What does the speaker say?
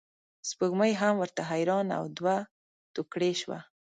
سپوږمۍ هم ورته حیرانه او دوه توکړې شوه.